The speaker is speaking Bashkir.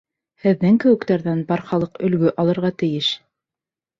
Һеҙҙең кеүектәрҙән бар халыҡ өлгө алырға тейеш.